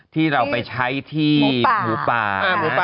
ที่เราไปใช้ที่หมูป่านะ